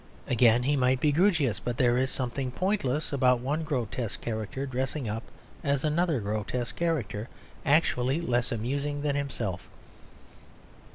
Again, he might be Grewgious; but there is something pointless about one grotesque character dressing up as another grotesque character actually less amusing than himself.